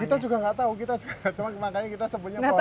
kita juga tidak tahu cuma makanya kita sebutnya pohon rantai